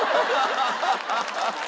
ハハハハ！